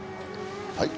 はい？